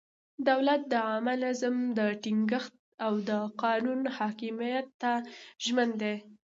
دولت د عامه نظم ټینګښت او د قانون حاکمیت ته ژمن دی.